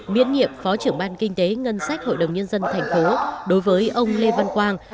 miễn nhiệm phó trưởng ban kinh tế ngân sách hội đồng nhân dân thành phố đối với ông lê văn quang